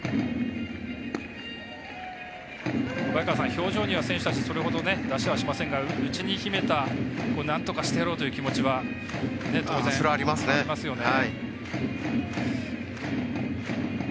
表情には選手たちそれほど出しませんが内に秘めた、なんとかしてやろうという気持ちは当然ありますよね。